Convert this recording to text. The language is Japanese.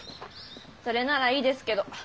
それならいいですけど。